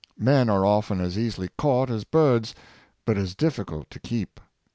Men are often as easily caugKt as birds, but as difficult to keep.